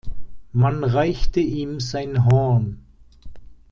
Man reichte ihm sein Horn.